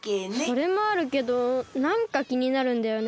それもあるけどなんかきになるんだよね。